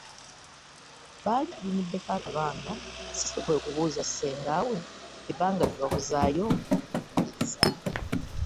Baali balimiddeko akabanga Cissy kwe kubuuza Ssengawe ebbanga lye babuzaayo okumaliriza.